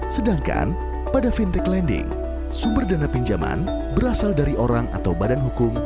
sedangkan pada fintech lending sumber dana pinjaman berasal dari orang atau badan hukum